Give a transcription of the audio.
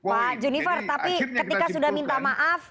pak junifer tapi ketika sudah minta maaf